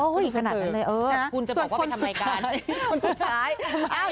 ขนาดนั้นเลยเออคุณจะบอกว่าไปทำรายการคนสุดท้าย